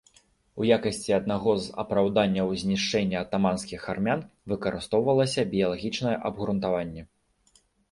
У якасці аднаго з апраўданняў знішчэння атаманскіх армян выкарыстоўвалася біялагічнае абгрунтаванне.